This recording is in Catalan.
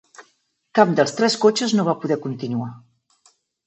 Cap dels tres cotxes no va poder continuar.